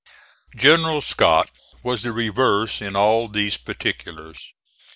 General Scott was the reverse in all these particulars.